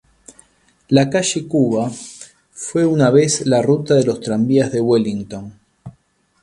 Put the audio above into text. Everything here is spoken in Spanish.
La calle Cuba fue una vez la ruta de los tranvías de Wellington.